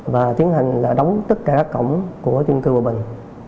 và tiến hành là đóng tất cả các cổng của chương trình cư bà bình